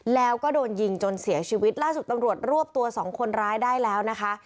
แล้วก็โดนยิงจนเสียชีวิตล่าสุดตำรวจรวบตัวสองคนร้ายได้แล้วนะคะ